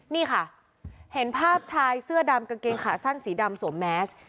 นี่ค่ะเห็นภาพชายเสื้อดำกางเกงขาสั้นสีดำสวมแมส